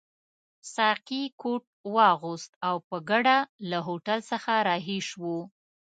ساقي کوټ واغوست او په ګډه له هوټل څخه رهي شوو.